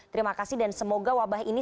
terima kasih dan semoga wabah ini